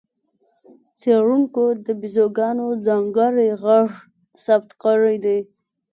څېړونکو د بیزوګانو ځانګړی غږ ثبت کړی دی.